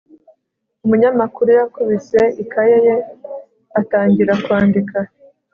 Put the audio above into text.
umunyamakuru yakubise ikaye ye atangira kwandika